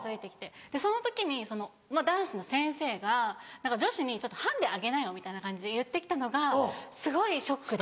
その時に男子の先生が「女子にハンデあげなよ」みたいな感じで言って来たのがすごいショックで。